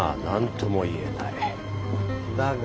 何とも言えない。